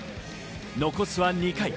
残すは２回。